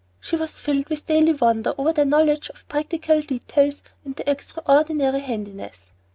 She was filled with daily wonder over their knowledge of practical details, and their extraordinary "handiness."